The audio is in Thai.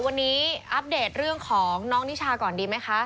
วันนี้อัปเดตเรื่องของน้องนิชาก่อนดีไหมคะ